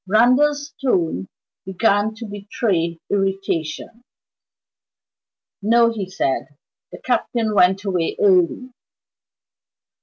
Randal's tones began to betray irritation. "No," he said "the Captain went away early."